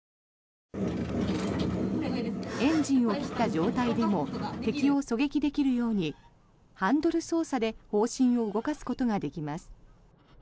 エンジンを切った状態でも敵を狙撃できるようにハンドル操作で砲身を動かすことができます。